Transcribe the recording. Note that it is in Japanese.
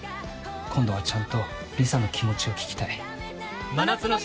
今度はちゃんと理沙の気持ちを聞きたい。